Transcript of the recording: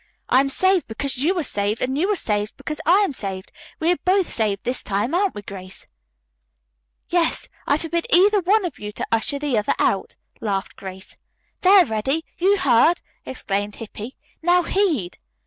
"I am saved because you are saved, and you are saved because I am saved. We are both saved this time, aren't we, Grace?" "Yes, I forbid either one of you to usher the other out," laughed Grace. "There, Reddy, you heard!" exclaimed Hippy. "Now heed."